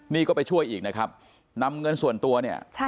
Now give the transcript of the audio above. นี่ก็ไปช่วยอีกนะครับนำเงินส่วนตัวเนี่ย